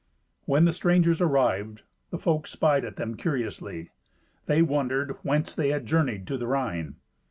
When the stranger were arrived, the folk spied at them curiously. They wondered whence they had journeyed to the Rhine.